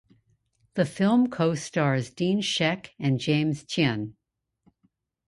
The film co-stars Dean Shek and James Tien.